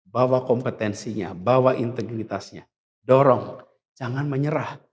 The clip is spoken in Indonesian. bawa kompetensinya bawa integritasnya dorong jangan menyerah